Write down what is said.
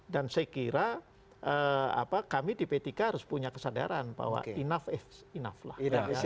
dan saya kira kami di ptk harus punya kesadaran bahwa enough is enough lah